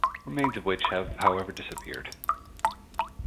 Remains of which have, however, disappeared.